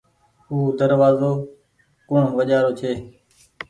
او دروآزو ڪوڻ وجهآ رو ڇي۔